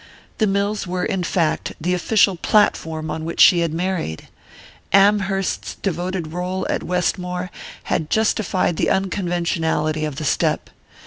The mills were, in fact, the official "platform" on which she had married: Amherst's devoted rôle at Westmore had justified the unconventionality of the step.